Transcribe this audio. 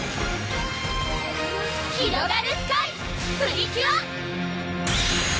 ひろがるスカイ！プリキュア！